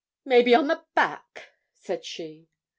'Maybe on the back?' said she.